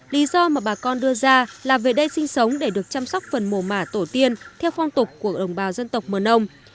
lý do mà bà con đưa ra là về đây sinh sống để được chăm sóc phần mồ mả tổ tiên theo phong tục của đồng bào dân tộc mờ nông